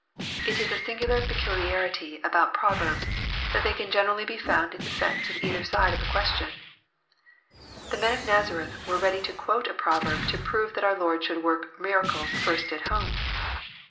It is a singular peculiarity about pro verbs, that they can generally be found in defence of either side of a question. The men of Nazareth were ready to quote a proverb to prove that our Lord should work miracles first at home.